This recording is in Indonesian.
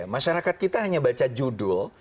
masyarakat kita hanya baca judul